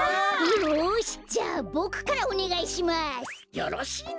よしじゃあボクからおねがいします！よろしいのだ！